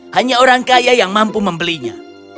hanya orang kaya yang mampu membelinya